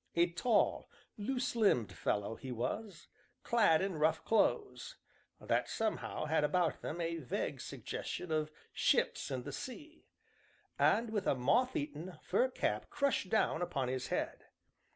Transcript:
A tall, loose limbed fellow he was, clad in rough clothes (that somehow had about them a vague suggestion of ships and the sea), and with a moth eaten, fur cap crushed down upon his head.